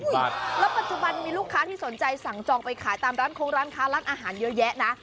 แล้วปัจจุบันมีลูกค้าที่สนใจสั่งจองไปขายตามร้านคงร้านค้าร้านอาหารเยอะแยะนะ